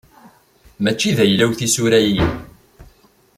Mačči d ayla-w tisura-yi.